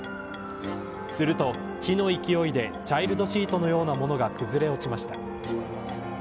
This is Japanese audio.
すると火の勢いでチャイルドシートのようなものが崩れ落ちました。